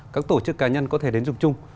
các tổ chức cá nhân có thể đến dùng chung